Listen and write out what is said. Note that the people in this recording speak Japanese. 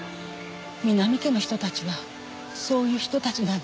南家の人たちはそういう人たちなんです。